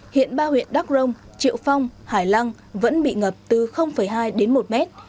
hiện ba huyện đắc rông triệu phong hải lăng vẫn bị ngập từ hai đến một mét